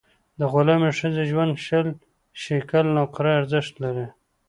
د غلامي ښځې ژوند شل شِکِل نقره ارزښت لري.